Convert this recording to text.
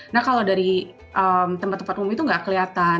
nah kalau dari tempat tempat umum itu nggak kelihatan